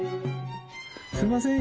すいません。